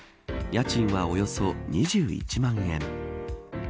家賃はおよそ２１万円。